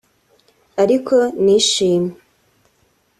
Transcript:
Ariko nishimye